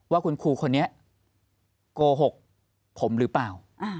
ว่าคุณครูคนนี้โกหกผมหรือเปล่า